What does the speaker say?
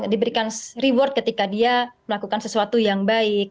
diberikan reward ketika dia melakukan sesuatu yang baik